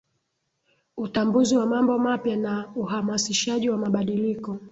Utambuzi wa mambo mapya na uhamasishaji wa mabadiliko